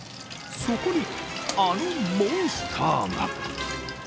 そこに、あのモンスターが。